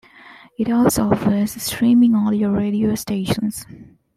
It also offers streaming audio radio stations.